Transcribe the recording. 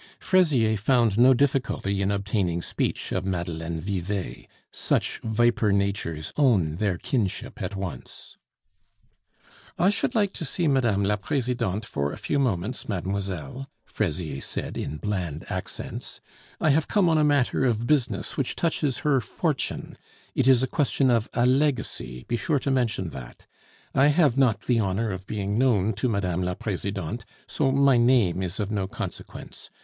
Fraisier found no difficulty in obtaining speech of Madeleine Vivet; such viper natures own their kinship at once. "I should like to see Mme. la Presidente for a few moments, mademoiselle," Fraisier said in bland accents; "I have come on a matter of business which touches her fortune; it is a question of a legacy, be sure to mention that. I have not the honor of being known to Mme. la Presidente, so my name is of no consequence.